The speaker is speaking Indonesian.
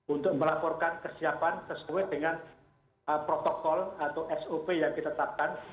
untuk melaporkan kesiapan sesuai dengan protokol atau sop yang ditetapkan